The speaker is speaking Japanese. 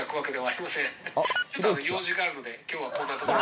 「ちょっとあの用事があるので今日はこんなところで」